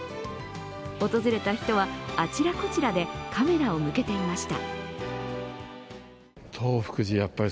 訪れた人は、あちらこちらでカメラを向けていました。